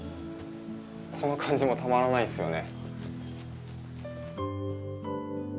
この感じもたまらないんですよね。